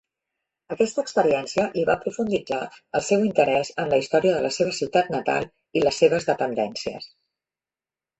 Aquesta experiència li va profunditzar el seu interès en la història de la seva ciutat natal i les seves dependències.